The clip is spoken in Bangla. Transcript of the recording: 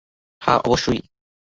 হ্যাঁ, অবশ্যই?